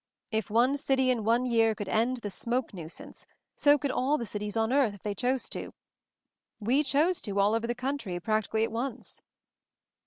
"If one city, in one year, could end the smoke nuisance, so could all the cities on earth, if they chose to. We chose to, all over the country, prac tically at once."